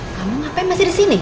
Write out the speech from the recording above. kamu ngapain masih disini